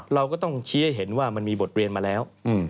เราก็ต้องชี้ให้เห็นว่ามันมีบทเรียนมาแล้ว